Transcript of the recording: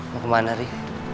mau kemana ri